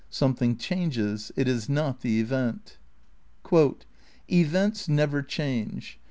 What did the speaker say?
Something changes. It is not the event. "Events never change.